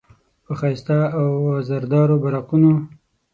په ښایسته او وزردارو براقونو،